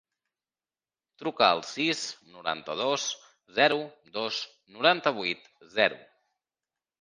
Truca al sis, noranta-dos, zero, dos, noranta-vuit, zero.